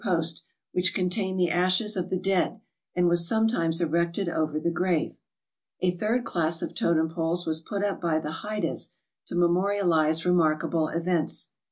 TOTEM INDIANS AND THEIR CUSTOMS which contained the ashes of the dead and was sometimes erected over the grave. A third class of totem poles was put up by the Hydahs to memorialize remarkable events.